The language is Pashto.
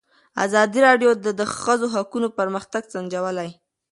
ازادي راډیو د د ښځو حقونه پرمختګ سنجولی.